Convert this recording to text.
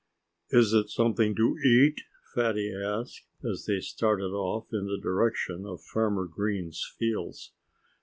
"Is it something to eat?" Fatty asked, as they started off in the direction of Farmer Green's fields.